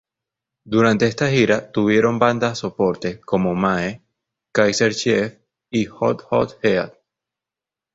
Durante esta gira tuvieron bandas soporte como Mae, Kaiser Chiefs y Hot Hot Heat.